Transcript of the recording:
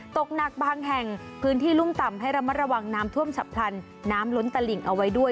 ตกหนักบางแห่งพื้นที่รุ่มต่ำให้ระมัดระวังน้ำท่วมฉับพลันน้ำล้นตลิ่งเอาไว้ด้วย